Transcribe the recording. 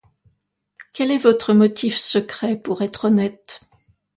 Quel est votre motif secret pour être honnête ?